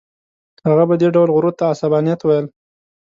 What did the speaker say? هغه به دې ډول غرور ته عصبانیت ویل.